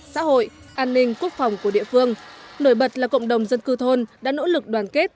xã hội an ninh quốc phòng của địa phương nổi bật là cộng đồng dân cư thôn đã nỗ lực đoàn kết